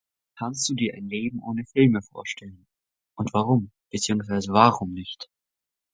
Kannst du dir ein Leben ohne Filme vorstellen? Und warum, beziehungsweise warum nicht?